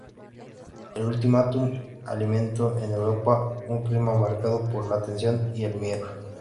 El ultimátum alimentó en Europa un clima marcado por la tensión y el miedo.